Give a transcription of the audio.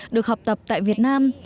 được học tập tại việt nam